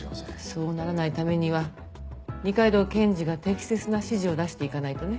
そうならないためには二階堂検事が適切な指示を出していかないとね。